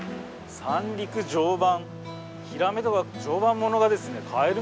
三陸常磐。